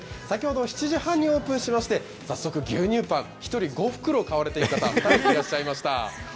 先ほど、７時半にオープンしまして、早速、牛乳パン、１人５袋買われている方がいらっしゃいました。